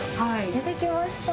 出てきました。